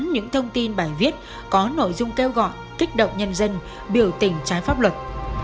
những thông tin bài viết có nội dung kêu gọi kích động nhân dân biểu tình trái pháp luật